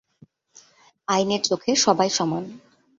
আইনের চোখে সবাই সমান।